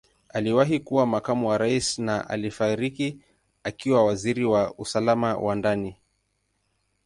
Aliwahi kuwa Makamu wa Rais na alifariki akiwa Waziri wa Usalama wa Ndani.